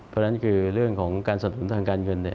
เพราะฉะนั้นคือเรื่องของการสนับสนุนทางการเงิน